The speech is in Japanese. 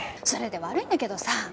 それで悪いんだけどさ。